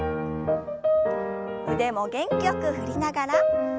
腕も元気よく振りながら。